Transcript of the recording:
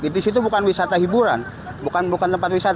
di situ bukan wisata hiburan bukan tempat wisata